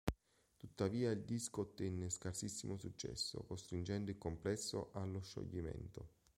Tuttavia il disco ottenne scarsissimo successo, costringendo il complesso allo scioglimento.